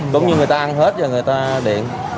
đúng như người ta ăn hết rồi người ta điện